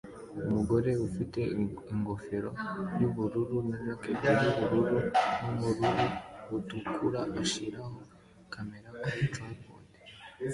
Umugore ufite ingofero yubururu na jacket yubururu nubururu butukura ashyiraho kamera kuri trapode